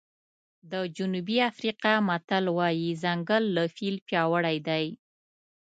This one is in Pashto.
د جنوبي افریقا متل وایي ځنګل له فیل پیاوړی دی.